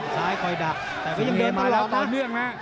ซ้ายคอยดับแต่ก็ยังเดินตลอดนะ